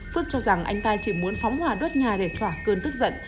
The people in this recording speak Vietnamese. phước cho rằng anh ta chỉ muốn phóng hỏa đốt nhà để thỏa cơn tức giận